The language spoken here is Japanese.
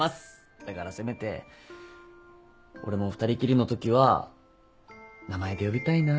だからせめて俺も２人きりのときは名前で呼びたいなって。